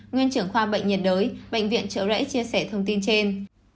nguyên trưởng khoa bệnh nhiệt đới bệnh viện trợ rẫy chia sẻ thông tin trên